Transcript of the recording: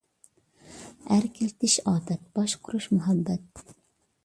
ئەركىلىتىش ئاپەت، باشقۇرۇش مۇھەببەت.